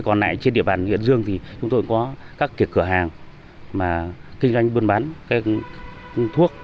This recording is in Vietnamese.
còn nãy trên địa bàn huyện dương thì chúng tôi có các kiểu cửa hàng mà kinh doanh bươn bán thuốc